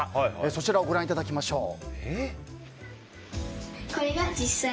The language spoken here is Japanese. そちらをご覧いただきましょう。